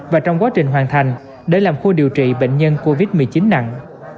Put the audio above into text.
và trong quá trình hoàn thành để làm khu điều trị bệnh nhân covid một mươi chín nặng